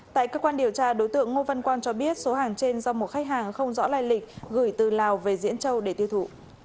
tại cơ quan điều tra đối tượng ngô văn quang cho biết số hàng trên do một khách hàng không rõ lai lịch gửi từ lào về diễn châu để tiêu thụ